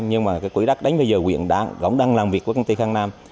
nhưng mà cái quỹ đất đến bây giờ quyền đã gõng đăng làm việc của công ty khang nam